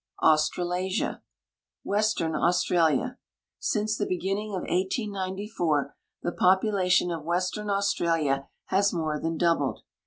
AU.STRALA8IA Western Au.stralia. Since the beginning of 1894 the population of Western Australia has more than doubled.